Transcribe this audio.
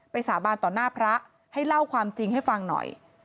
สาบานต่อหน้าพระให้เล่าความจริงให้ฟังหน่อย